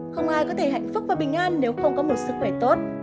không ai có thể hạnh phúc và bình an nếu không có một sức khỏe tốt